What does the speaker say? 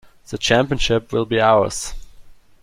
The championship will be ours!